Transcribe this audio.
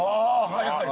はいはい。